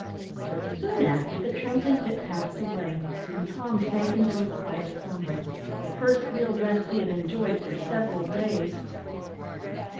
But soon after, the trembling fit passed away, and Tom sank into a quiet slumber, the first real rest he had enjoyed for several days.